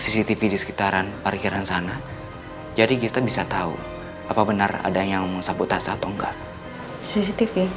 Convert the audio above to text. cctv di sekitaran parkiran sana jadi kita bisa tahu apa benar ada yang sabotasa atau enggak cctv